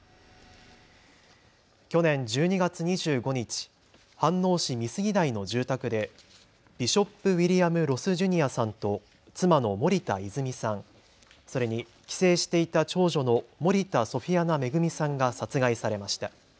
去年１２月２５日、飯能市美杉台の住宅でビショップ・ウィリアム・ロス・ジュニアさんと妻の森田泉さん、それに帰省していた長女の森田ソフィアナ恵さんが殺害されました。